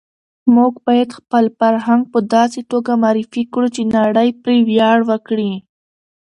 موږ باید خپل فرهنګ په داسې توګه معرفي کړو چې نړۍ پرې ویاړ وکړي.